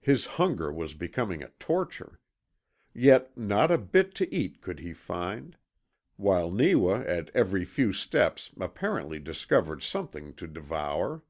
His hunger was becoming a torture. Yet not a bit to eat could he find, while Neewa at every few steps apparently discovered something to devour.